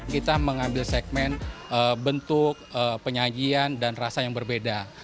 kita mengambil segmen bentuk penyajian dan rasa yang berbeda